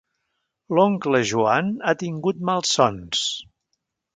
L'oncle Joan ha tingut malsons.